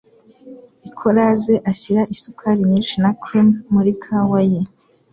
Ikoraze ashyira isukari nyinshi na cream muri kawa ye.